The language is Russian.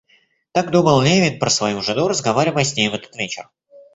Так думал Левин про свою жену, разговаривая с ней в этот вечер.